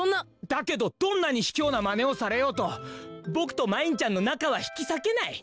だけどどんなにひきょうなまねをされようとぼくとまいんちゃんのなかはひきさけない！